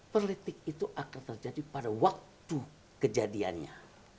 politik itu akan terjadi pada waktu kejadiannya